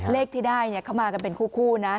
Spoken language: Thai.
เลขที่ได้เข้ามากันเป็นคู่นะ